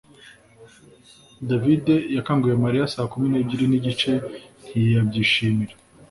davide yakanguye mariya saa kumi n'ebyiri n'igice, ntiyabyishimira